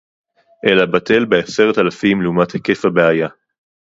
אלא בטל בעשרת אלפים לעומת היקף הבעיה